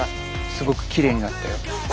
すごくきれいになったよ。